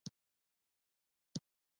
هسې دې بې غيرتانو له په غوسه وم.